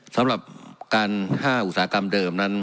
สำหรับการ๕อุตสาหกรรมเดิมนั้น